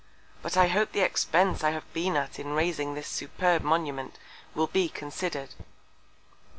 but I hope the Expence I have been at in raising this superb Monument will be consider'd.